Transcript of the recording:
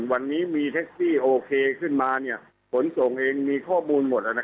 วันนี้มีแท็กซี่โอเคขึ้นมาขนส่งเองมีข้อมูลหมด